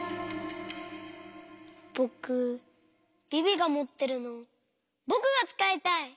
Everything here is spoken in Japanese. ぼくビビがもってるのぼくがつかいたい！